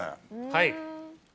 はい。